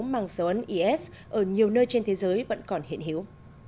mang dấu ấn is ở nhiều nơi trên thế giới vẫn còn hiện hiểu